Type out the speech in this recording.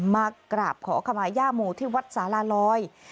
มากราบขอขมาย่าโมที่วัดสาลาลอย